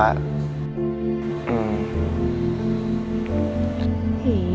gak nelfon lagi ya